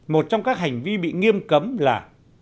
một trong các hành vi bị nghiêm cấm là